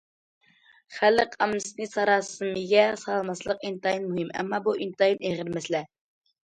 خەلق ئاممىسىنى ساراسىمىگە سالماسلىق ئىنتايىن مۇھىم، ئەمما بۇ ئىنتايىن ئېغىر مەسىلە.